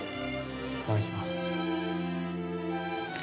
◆いただきます。